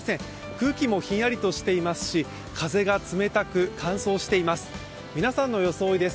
空気もひんやりとしていますし風が冷たく乾燥しています。